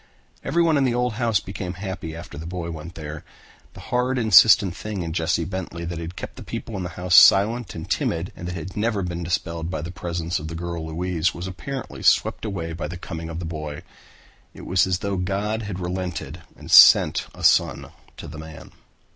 Everyone in the old house became happy after the boy went there. The hard insistent thing in Jesse Bentley that had kept the people in the house silent and timid and that had never been dispelled by the presence of the girl Louise was apparently swept away by the coming of the boy. It was as though God had relented and sent a son to the man.